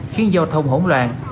khiến giao thông hỗn loạn